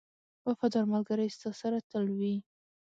• وفادار ملګری ستا سره تل وي.